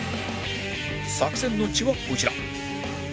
作戦の地はこちら